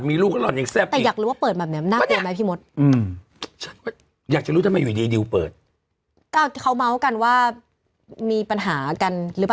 อีพีสี่แล้วค่ะ